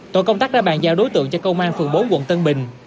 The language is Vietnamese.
tổ công tác đã bàn giao đối tượng cho công an phường bốn quận tân bình